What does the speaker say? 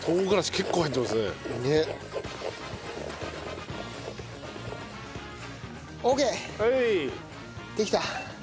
できた。